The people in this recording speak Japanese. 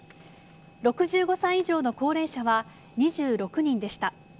６５歳以上の高齢者は２６人でした。